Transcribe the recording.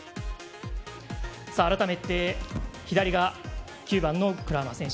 改めて左が９番のクラーマー選手。